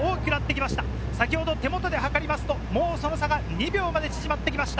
手元で計りますと、その差は２秒まで縮まってきました。